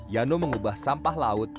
yano mengubah sampah lampu